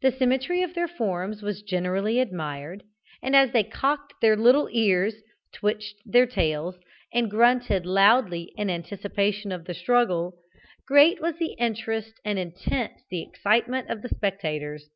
The symmetry of their forms was generally admired, and as they cocked their little ears, twitched their tails, and grunted loudly in anticipation of the struggle, great was the interest and intense the excitement of the spectators.